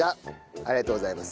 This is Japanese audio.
ありがとうございます。